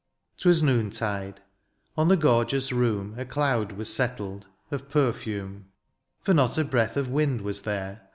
Twas noontide ; on the gorgeous room A cloud was settled, of perfume ; For not a breath of wind was there.